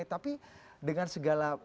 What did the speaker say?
tapi dengan segala